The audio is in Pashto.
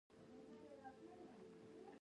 همدغه ډول نارامه ژوند به تېروي.